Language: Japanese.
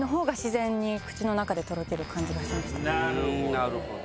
なるほど。